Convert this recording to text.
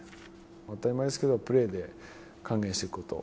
当たり前ですけどプレーで還元していくと。